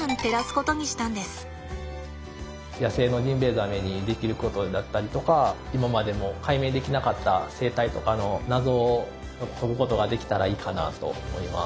野生のジンベエザメにできることだったりとか今までも解明できなかった生態とかの謎を解くことができたらいいかなと思います。